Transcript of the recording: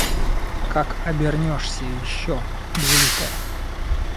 Как обернешься еще, двуликая?